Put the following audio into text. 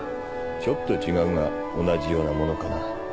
ちょっと違うが同じようなものかな。